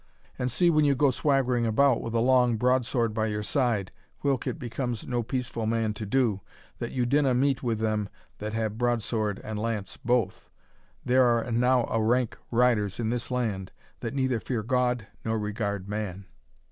And see, when you go swaggering about with a long broadsword by your side, whilk it becomes no peaceful man to do, that you dinna meet with them that have broadsword and lance both there are enow of rank riders in this land, that neither fear God nor regard man."